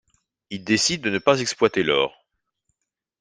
Il décide de ne pas exploiter l'or.